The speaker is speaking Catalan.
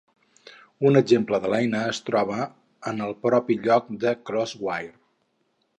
Un exemple de l'eina es troba en el propi lloc de CrossWire.